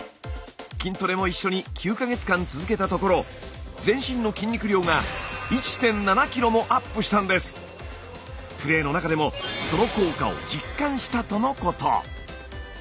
筋トレも一緒に９か月間続けたところ全身の筋肉量がプレーの中でもその効果を実感したとのこと。